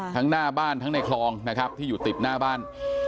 หน้าบ้านทั้งในคลองนะครับที่อยู่ติดหน้าบ้าน